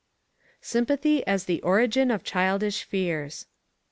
Sympathy as the Origin of childish Fears.